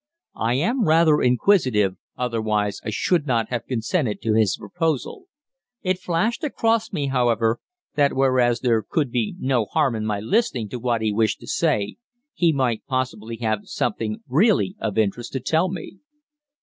I am rather inquisitive, otherwise I should not have consented to his proposal. It flashed across me, however, that whereas there could be no harm in my listening to what he wished to say, he might possibly have something really of interest to tell me.